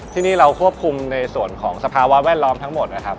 ที่นี่เราควบคุมในส่วนของสภาวะแวดล้อมทั้งหมดนะครับ